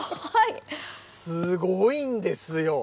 すごいんですよ。